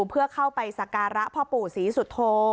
เพื่อเข้าไปสการะพ่อปู่ศรีสุโธ